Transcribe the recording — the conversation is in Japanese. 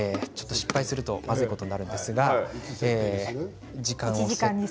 失敗するとまずいことになるんですが１時間にする？